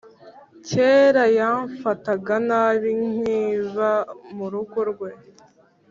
kera yamfataga nabi nkiba mu rugo rwe